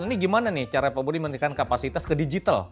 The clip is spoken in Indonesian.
ini gimana nih cara pak budi menaikkan kapasitas ke digital